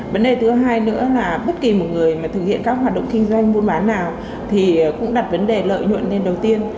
vấn đề thứ hai nữa là bất kỳ một người mà thực hiện các hoạt động kinh doanh buôn bán nào thì cũng đặt vấn đề lợi nhuận lên đầu tiên